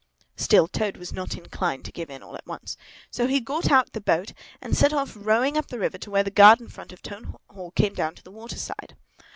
Still, Toad was not inclined to give in all at once. So he got out the boat, and set off rowing up the river to where the garden front of Toad Hall came down to the waterside.